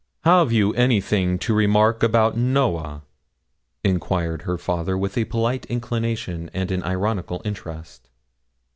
'Have you anything to remark about Noah?' enquired her father, with a polite inclination and an ironical interest.